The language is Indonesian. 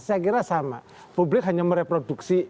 saya kira sama publik hanya mereproduksi